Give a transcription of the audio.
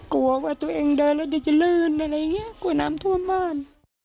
กลัวว่าตัวเองเดินแล้วเดี๋ยวจะลื่นอะไรอย่างนี้กลัวน้ำท่วมบ้าน